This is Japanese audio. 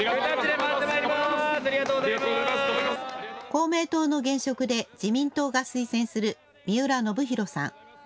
公明党の現職で自民党が推薦する三浦信祐さん。